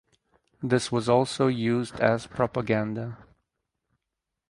This was also used as propaganda.